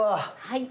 はい。